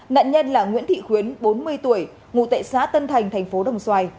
nạn nhân là nguyễn thị khuyến bốn mươi tuổi ngụ tại xã tân thành tp đồng xoài